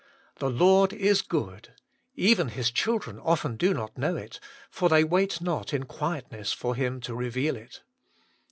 The Lord is good — even His children often do not know it, for they wait not in quietness for Him to reveal it.